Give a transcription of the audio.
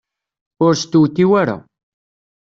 Ur stewtiw ara.